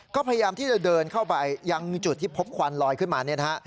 ก็พยายามที่จะเดินเข้าไปยังจุดที่พบควันลอยขึ้นมาเนี่ยนะฮะ